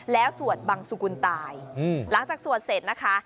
แล้วสวดบังสุกุลตายหลังจากสวดเสร็จนะคะ